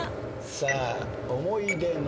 さあ「思い出の」